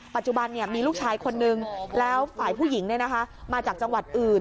ปัจจุบันมีลูกชายคนนึงแล้วฝ่ายผู้หญิงมาจากจังหวัดอื่น